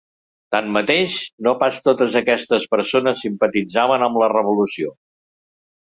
Tanmateix, no pas totes aquestes persones simpatitzaven amb la Revolució.